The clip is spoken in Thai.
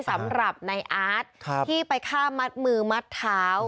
สำหรับในอาร์ตที่ไปฆ่ามัดมือมัดเท้า